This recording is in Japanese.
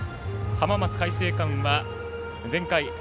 浜松開誠館は前回、